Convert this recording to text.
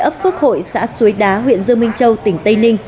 phước hội xã xuế đá huyện dương minh châu tỉnh tây ninh